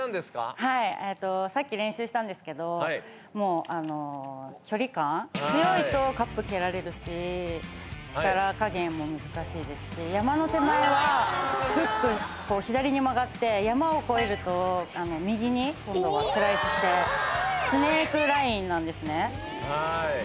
はい、さっき練習したんですけど、もう、距離感、強いとカップ蹴られるし、力加減も難しいですし、山の手前はフック、左に曲がって、山を越えると右に今度はスライスして、スネークラインなんですね。